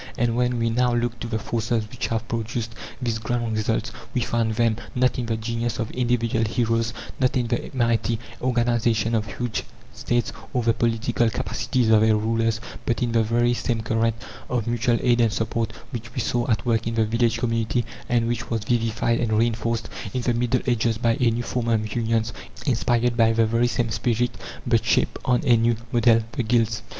And when we now look to the forces which have produced these grand results, we find them not in the genius of individual heroes, not in the mighty organization of huge States or the political capacities of their rulers, but in the very same current of mutual aid and support which we saw at work in the village community, and which was vivified and reinforced in the Middle Ages by a new form of unions, inspired by the very same spirit but shaped on a new model the guilds.